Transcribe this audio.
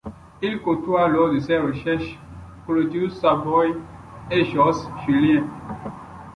Il côtoie lors de ses recherches, Claudius Savoye et Jos Jullien.